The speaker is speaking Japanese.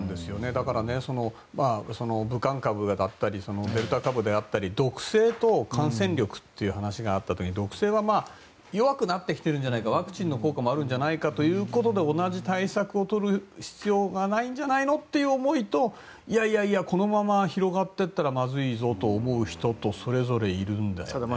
だから、武漢株だったりデルタ株であったり毒性と感染力という話があった時に毒性はまあ弱くなってきているんじゃないかワクチンの効果もあるんじゃないかということで同じ対策を取る必要がないんじゃないのという思いといやいやこのまま広がっていったらまずいぞと思う人とそれぞれいるんですよね。